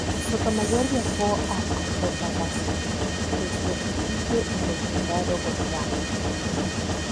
Sotomayor viajó a Antofagasta desde Iquique en el blindado "Cochrane".